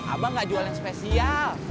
abang gak jual yang spesial